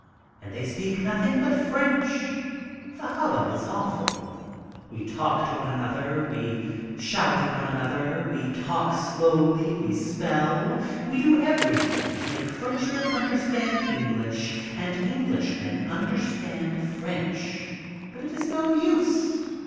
And they speak nothing but French. The hubbub is awful. We talk to one another. We shout at one another. We talk slowly. We spell. We do everything to make Frenchmen understand English, and Englishmen understand French, but it is no use.